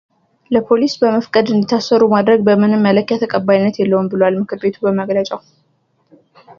ለፖሊስ በመፍቀድ እንዲታሰሩ ማድረግ በምንም መለኪያ ተቀባይነት የለውም ብሏል ምክር ቤቱ በመግለጫው።